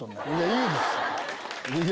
いいですよ。